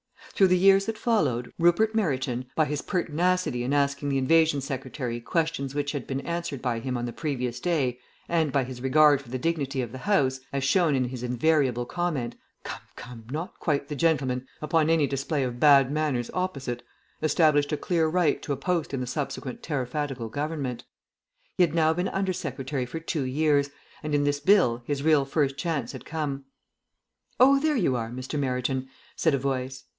Through the years that followed, Rupert Meryton, by his pertinacity in asking the Invasion Secretary questions which had been answered by him on the previous day, and by his regard for the dignity of the House, as shown in his invariable comment, "Come, come not quite the gentleman," upon any display of bad manners opposite, established a clear right to a post in the subsequent Tariffadical Government. He had now been Under Secretary for two years, and in this Bill his first real chance had come. "Oh, there you are, Mr. Meryton," said a voice.